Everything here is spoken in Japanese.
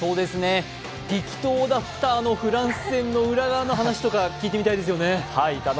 激闘だったあのフランス戦の裏側の話とか聞いてみたいですよね。